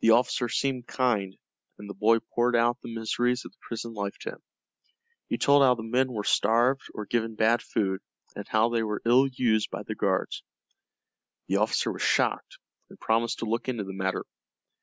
The officer seemed kind, and the boy poured out the miseries of the prison life to him. He told how the men were starved or given bad food, and how they were ill used by the guards. The officer was shocked and promised to look into the matter.